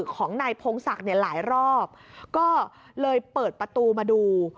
ของนายพงศักดิ์เนี่ยหลายรอบก็เลยเปิดประตูมาดู